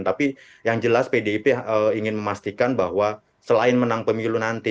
tapi yang jelas pdip ingin memastikan bahwa selain menang pemilu nanti